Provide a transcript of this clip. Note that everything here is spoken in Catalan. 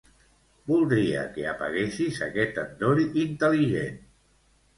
Voldria que apaguessis aquest endoll intel·ligent.